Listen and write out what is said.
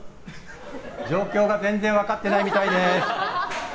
状況が全然分かってないみたいです。